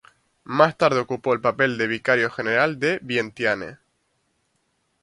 Más tarde ocupó el papel de vicario general de Vientiane.